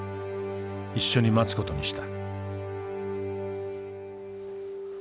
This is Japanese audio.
一緒に待つ事にした。